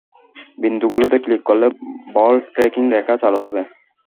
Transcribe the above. বিন্দুগুলোতে click করলে ball tracking রেখা চালু হবে।